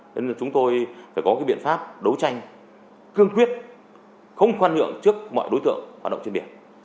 nên chúng tôi phải có cái biện pháp đấu tranh cương quyết không khoan nhượng trước mọi đối tượng hoạt động trên biển